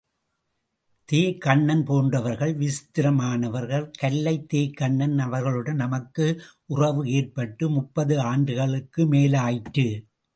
தே.கண்ணன் போன்றவர்கள் விசித்திரமானவர்கள் கல்லை, தே.கண்ணன் அவர்களுடன் நமக்கு உறவு ஏற்பட்டு முப்பது ஆண்டுகளுக்கு மேலாயிற்று!